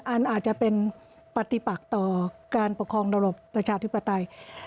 อาจจะเป็นปฏิปักต่อการปกครองระบบประชาธิปไตย